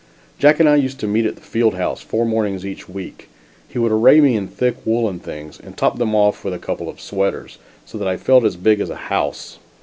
Jack and I used to meet at the field house four mornings each week. He would array me in thick woolen things, and top them off with a couple of sweaters, so that I felt as big as a house.